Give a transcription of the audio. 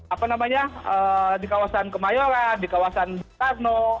apa namanya di kawasan kemayoran di kawasan bung karno